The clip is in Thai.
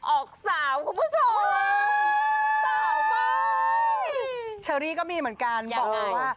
ออกสาวคุณผู้ชมสาวไม่เชอรี่ก็มีเหมือนกันบอกเลยว่า